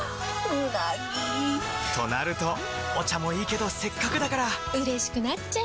うなぎ！となるとお茶もいいけどせっかくだからうれしくなっちゃいますか！